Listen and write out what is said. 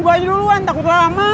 ibu aja duluan takut lama